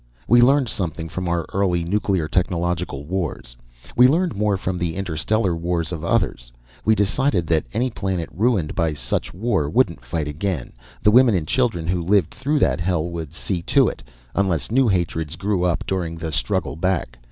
We learned something from our early nuclear technological wars. We learned more from the interstellar wars of others. We decided that any planet ruined by such war wouldn't fight again the women and children who lived through that hell would see to it unless new hatreds grew up during the struggle back.